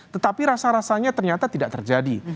tetapi rasa rasanya ternyata tidak terjadi